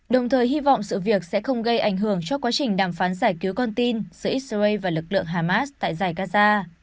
đồng thời hy vọng sự việc sẽ không gây ảnh hưởng cho quá trình đàm phán giải cứu con tin giữa israel và lực lượng hamas tại giải gaza